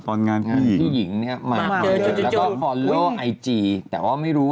พร้อมขอน้อยป่าวพร้อมขอนเย็นนะ